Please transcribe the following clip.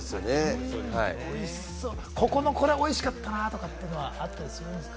ここのこれは美味しかったなぁとかというのは、あったりするんですか？